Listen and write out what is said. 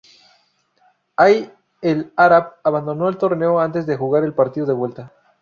Hay El Arab abandonó el torneo antes de jugar el partido de vuelta.